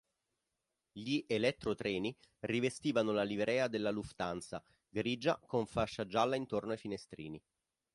Gli elettrotreni rivestivano la livrea della Lufthansa, grigia con fascia gialla intorno ai finestrini.